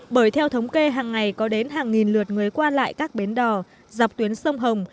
bởi theo thống kê hàng ngày có đến hàng nghìn lượt người qua lại các bến đò dọc tuyến sông hồng